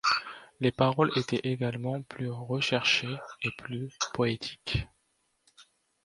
Les paroles étaient également plus recherchées et plus poétiques.